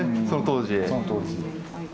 その当時。